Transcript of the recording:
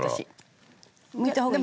むいた方がいい？